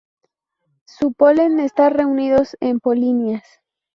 Su polen está reunidos en polinias.